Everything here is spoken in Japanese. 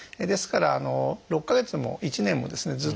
ですから６か月も１年もですね